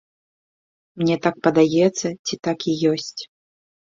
Мне так падаецца ці так і ёсць?